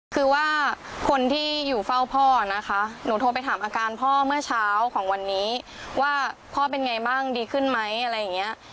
คือว่าคนที่อยู่เฝ้าพ่อนะคะหนูโทรไปถามอาการพ่อเมื่อเช้าของวันนี้ว่าพ่อเป็นไงบ้างดีขึ้นไหมอะไรอย่างนี้